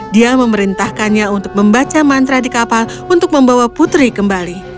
dia memerintahkannya untuk membaca mantra di kapal untuk membawa putri kembali